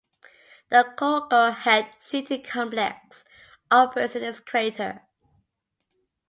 The Koko Head Shooting Complex operates in its crater.